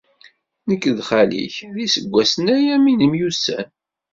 Nekk d xali-k, d iseggasen-aya mi nemyussan.